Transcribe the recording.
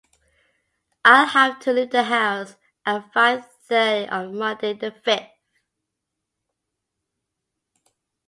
I'll have to leave the house at five thirty on Monday the fifth.